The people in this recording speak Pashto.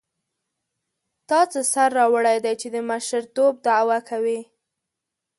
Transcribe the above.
تا څه سر راوړی دی چې د مشرتوب دعوه کوې.